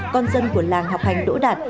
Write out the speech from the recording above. con dân của làng học hành đỗ đạt